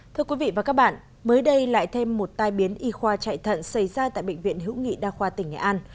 thưa quý vị và các bạn mới đây lại thêm một tai biến y khoa chạy thận xảy ra tại bệnh viện hữu nghị đa khoa tỉnh nghệ an